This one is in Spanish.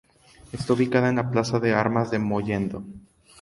Esta ubicado en la plaza de armas de Mollendo.